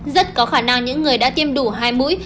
rất có khả năng những người đã tiêm đủ hai mũi